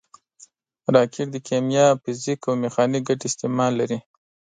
راکټ د کیمیا، فزیک او میخانیک ګډ استعمال لري